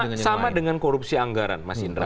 sama dengan korupsi anggaran mas indra